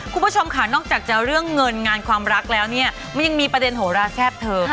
คุณผู้ชมค่ะนอกจากจะเรื่องเงินงานความรักแล้วเนี่ยมันยังมีประเด็นโหราแซ่บเธอ